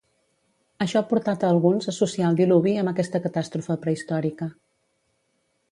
Això ha portat a alguns a associar el diluvi amb aquesta catàstrofe prehistòrica.